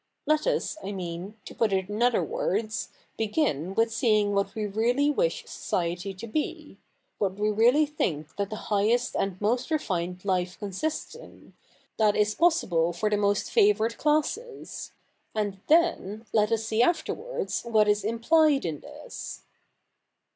Let us, I mean, to put it in other words, begin with seeing what we really wish society to be — what we really think that the highest and most refined life consists in, that is possible for the most favoured classes ; and then let us see afterwards what is implied in this.'